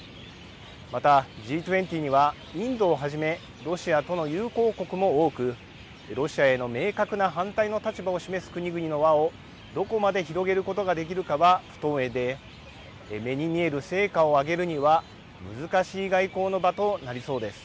またＧ２０にはインドをはじめロシアとの友好国も多くロシアへの明確な反対の立場を示す国々の輪をどこまで広げることができるかは不透明で目に見える成果を上げるには難しい外交の場となりそうです。